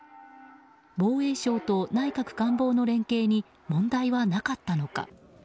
防衛省と内閣官房の連携に問題はなかったのか。